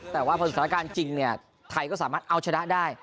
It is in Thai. แต่ว่าพอสถานการณ์จริงเนี่ยไทยก็สามารถเอาชนะได้